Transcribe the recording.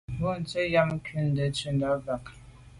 Bontse yàm kùmte ntshundà bag.